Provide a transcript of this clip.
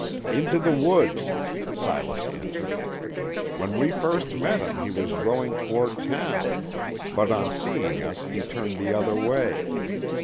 "Into the woods," Silas answered. "When we first met him, he was rowing toward town, but on seeing us he turned the other way.